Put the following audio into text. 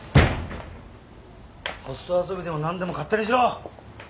ホスト遊びでもなんでも勝手にしろ。